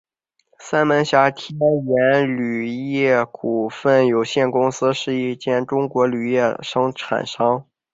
三门峡天元铝业股份有限公司是一间中国铝材生产商。